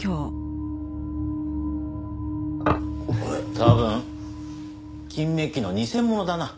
多分金メッキの偽物だな。